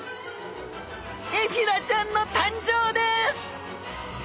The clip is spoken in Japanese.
エフィラちゃんの誕生です！